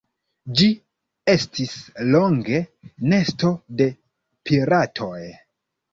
Ĝi estis longe nesto de piratoj.